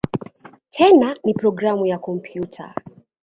Tena ni programu ya kompyuta.